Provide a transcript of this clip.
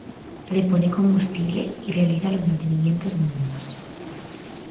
Repone combustible y realiza los mantenimientos mínimos.